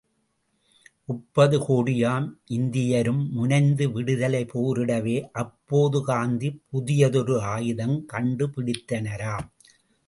முப்பது கோடியாம் இந்தியரும் முனைந்து விடுதலைப் போரிடவே, அப்போது காந்தி புதியதொரு ஆயுதம் கண்டு பிடித்தனராம்.